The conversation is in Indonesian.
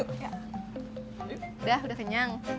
udah udah kenyang